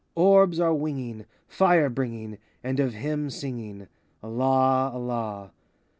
Orbs are winging. Fire bringing, And of him singing,— Allah, Allah!